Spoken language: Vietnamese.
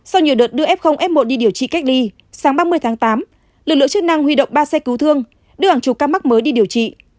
sau nhiều đợt đưa f f một đi điều trị cách ly sáng ba mươi tháng tám lực lượng chức năng huy động ba xe cứu thương đưa hàng chục ca mắc mới đi điều trị